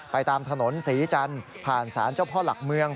ตามถนนศรีจันทร์ผ่านศาลเจ้าพ่อหลักเมือง